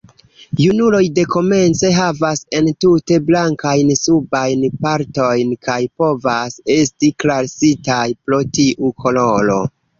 Junuloj dekomence havas entute blankajn subajn partojn kaj povas esti klasitaj pro tiu koloro.